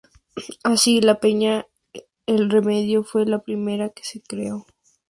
Así la Peña El Remedio fue la primera que se creó.